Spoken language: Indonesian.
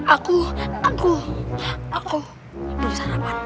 aku aku aku belum sarapan